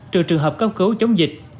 trừ trường hợp cấp cứu chống dịch